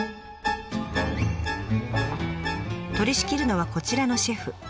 取りしきるのはこちらのシェフ。